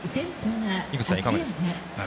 井口さん、いかがでしょうか？